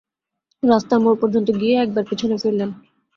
রাস্তার মোড় পর্যন্ত গিয়ে একবার পিছনে ফিরলেন।